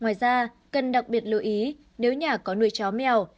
ngoài ra cần đặc biệt lưu ý nếu nhà có nuôi chó mèo